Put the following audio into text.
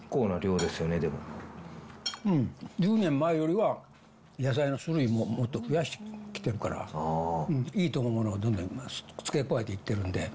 うん、１０年前よりは野菜の種類ももっと増やしてきてるから、いいと思うものはどんどん付け加えていってるんで。